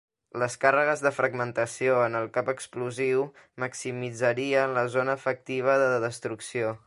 Les càrregues de fragmentació en el cap explosiu maximitzarien la zona efectiva de destrucció.